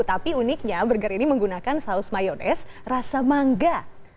tapi uniknya burger ini menggunakan saus mayonis rasa mangga